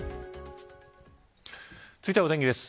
続いてはお天気です。